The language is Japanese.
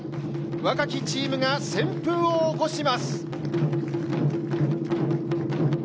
若きチームが旋風を起こします。